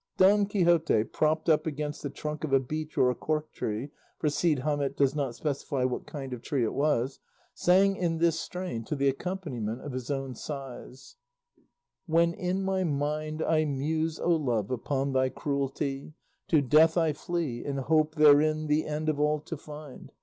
Don Quixote, propped up against the trunk of a beech or a cork tree for Cide Hamete does not specify what kind of tree it was sang in this strain to the accompaniment of his own sighs: When in my mind I muse, O Love, upon thy cruelty, To death I flee, In hope therein the end of all to find.